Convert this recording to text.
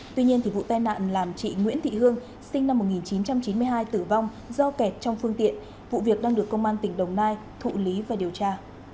tuy nhiên vụ tai nạn làm chị nguyễn thị hương sinh năm một nghìn chín trăm chín mươi hai tử vong do kẹt trong phương tiện vụ việc đang được công an tỉnh đồng nai thụ lý và điều tra